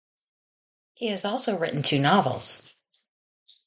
He has also written two novels.